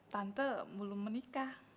tante belum menikah